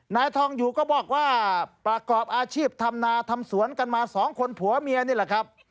นายทองอยู่ก็บอกว่าประกอบอาชีพทำนาทำสวนกันมาสองคนผัวเมียนี่แหละครับ